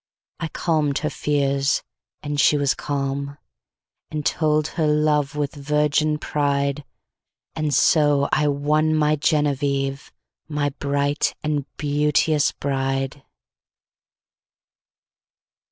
I calm'd her fears, and she was calm. And told her love with virgin pride; And so I won my Genevieve, My bright and beauteous Bride.